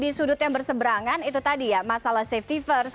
di sudut yang berseberangan itu tadi ya masalah safety first